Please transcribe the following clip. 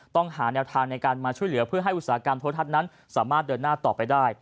ต้องหาแนวทางในการมาช่วยเหลือเพื่อให้อุตสาหกรรมโทรทัศน์นั้นสามารถเดินหน้าต่อไปได้